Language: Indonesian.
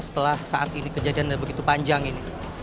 setelah saat ini kejadian yang begitu panjang ini